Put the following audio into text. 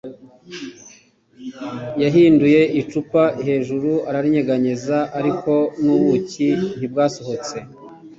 yahinduye icupa hejuru araryinyeganyeza, ariko nubuki ntibwasohotse